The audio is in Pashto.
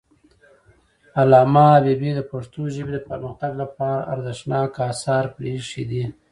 علامه حبيبي د پښتو ژبې د پرمختګ لپاره ارزښتناک آثار پریښي دي.